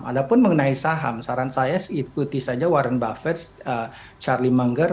ada pun mengenai saham saran saya ikuti saja warren buffet charlie mangger